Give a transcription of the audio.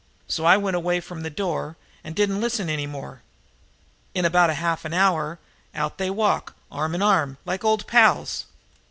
So I went away from the door and didn't listen any more, and in about half an hour out they walk, arm in arm, like old pals."